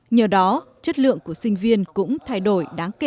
nhờ đó chất lượng của sinh viên cũng thay đổi đáng kể